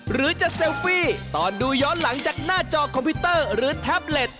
หรือจะเซลฟี่ตอนดูย้อนหลังจากหน้าจอคอมพิวเตอร์หรือแท็บเล็ต